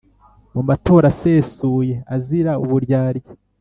mu matora asesuye azira uburyarya.